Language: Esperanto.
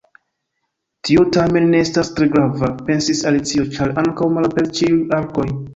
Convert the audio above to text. "Tio tamen ne estas tre grava," pensis Alicio, "ĉar ankaŭ malaperis ĉiuj arkoj."